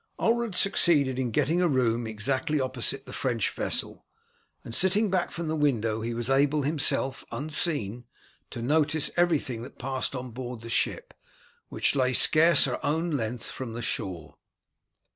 Ulred succeeded in getting a room exactly opposite the French vessel, and sitting back from the window, was able, himself unseen, to notice everything that passed on board the ship, which lay scarce her own length from the shore.